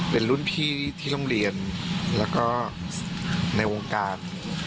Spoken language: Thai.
เป็นรุ่นพี่ที่โรงเรียนแล้วก็ในวงการ